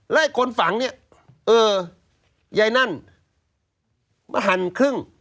แล้วไอ้คนฝังเนี่ยเออยายนั่นมาหั่นครึ่ง